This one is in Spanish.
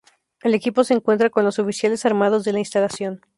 El equipo se encuentra con los oficiales armados de la instalación.